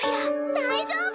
大丈夫！